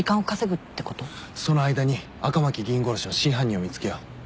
その間に赤巻議員殺しの真犯人を見つけよう。